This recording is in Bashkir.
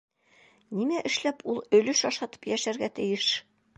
Нимә эшләп ул өлөш ашатып йәшәргә тейеш?!